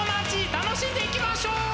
楽しんでいきましょう！